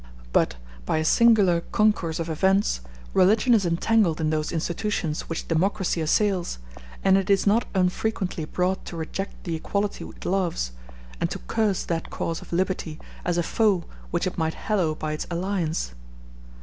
But, by a singular concourse of events, religion is entangled in those institutions which democracy assails, and it is not unfrequently brought to reject the equality it loves, and to curse that cause of liberty as a foe which it might hallow by its alliance.